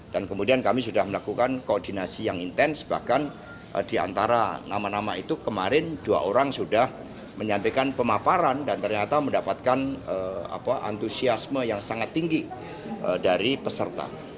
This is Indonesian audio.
dan kemudian kami sudah melakukan koordinasi yang intens bahkan diantara nama nama itu kemarin dua orang sudah menyampaikan pemaparan dan ternyata mendapatkan antusiasme yang sangat tinggi dari peserta